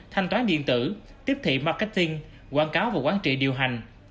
thanh toán điện tử tiếp thị marketing quảng cáo và quán trị điều hành